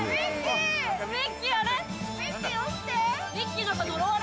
ミッキー！